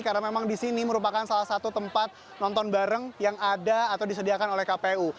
karena memang di sini merupakan salah satu tempat nonton bareng yang ada atau disediakan oleh kpu